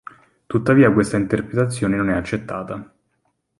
Tuttavia questa interpretazione non è accettata.